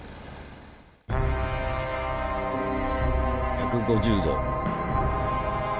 １５０℃。